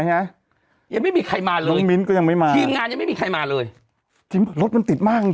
หรอหรอหรอหรอหรอหรอหรอหรอหรอหรอหรอหรอหรอหรอหรอ